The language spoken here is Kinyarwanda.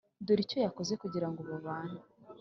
Dore icyo yakoze kugira ngo babane